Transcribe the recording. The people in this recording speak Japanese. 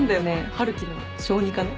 春樹の小児科の。